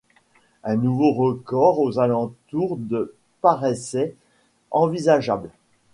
Un nouveau record aux alentours de paraissait envisageable.